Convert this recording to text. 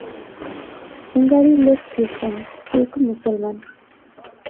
হুঙ্গারির লোক Christian, Turk মুসলমান।